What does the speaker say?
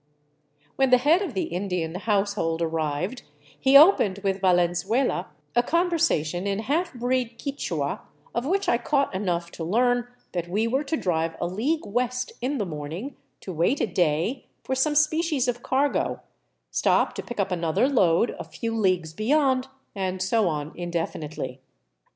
When the head of the Indian household arrived, he opened with Valenzuela a conversation in half breed Quichua, of which I caught enough to learn that we were to drive a league west in the morning to wait a day for some species of cargo, stop to pick up another load a few leagues beyond, and so on indefinitely.